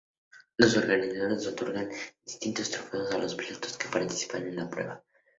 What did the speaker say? Los organizadores otorgaban distintos trofeos a los pilotos que participaban en la prueba.